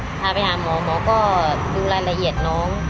พาไปหาหมอหมอก็ดูรายละเอียดน้อง